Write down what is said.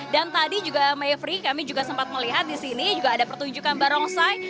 dan tadi juga mayfri kami juga sempat melihat di sini juga ada pertunjukan barongsai